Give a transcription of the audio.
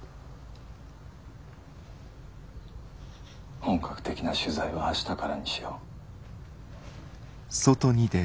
本格的な取材は明日からにしよう。